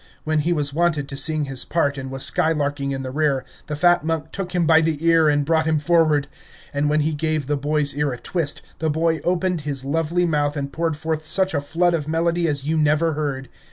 When he was wanted to sing his part and was skylarking in the rear, the fat monk took him by the ear and brought him forward; and when he gave the boy's ear a twist, the boy opened his lovely mouth and poured forth such a flood of melody as you never heard.